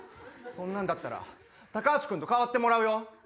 そんなんだったらタカハシ君と代わってもらうよ！